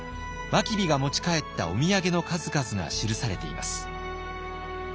真備が持ち帰ったお土産の数々が記されています。